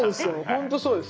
本当そうです。